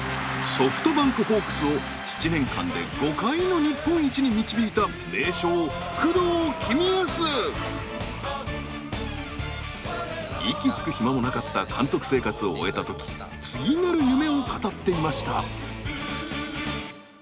ソフトバンクホークスを７年間で５回の日本一に導いた息つく暇もなかった監督生活を終えた時次なる夢を語っていました。